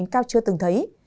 cao chưa từng thấy